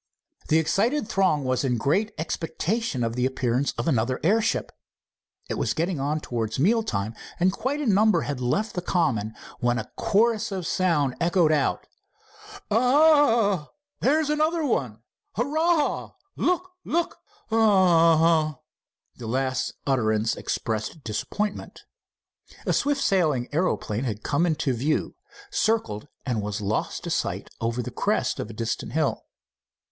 The excited throng was in great expectation of the appearance of another airship. It was getting on towards meal time, and quite a number had left the common, when a chorus of sound echoed out: "A—ah!" "There's another one." "Hurrah—look! look!" "A—a—ah!" The last utterance expressed disappointment. A swift sailing aeroplane had come into view, circled, and was lost to sight over the crest of a distant hill.